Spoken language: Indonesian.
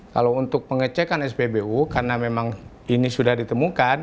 kalau untuk pengecekan spbu karena memang ini sudah ditemukan